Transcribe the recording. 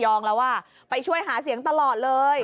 คนระยองแล้วว่าไปช่วยหาเสียงตลอดเลย